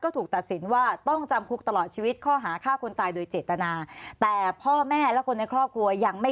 ถูกตัดสินว่าต้องจำคุกตลอดชีวิตข้อหาฆ่าคนตายโดยเจตนาแต่พ่อแม่และคนในครอบครัวยังไม่